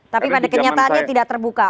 tapi pada kenyataannya tidak terbuka